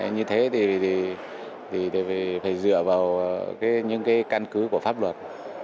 như thế thì phải dựa vào những cái căn cứ của pháp luật